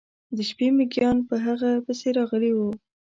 د شپې میږیان پر هغه پسې راغلي و.